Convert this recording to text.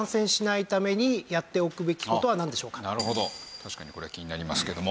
確かにこれは気になりますけども。